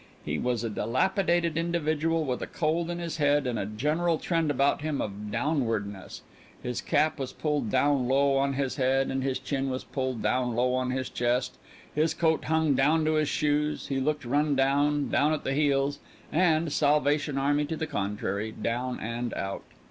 He was a dilapidated individual with a cold in his head and a general trend about him of downwardness. His cap was pulled down low on his head, and his chin was pulled down low on his chest, his coat hung down to his shoes, he looked run down, down at the heels, and Salvation Army to the contrary down and out.